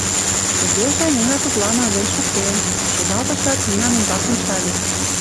«Тугеже, Нина тудлан ойлен шуктен», — шоналтышат, Нинан ӱмбак ончале..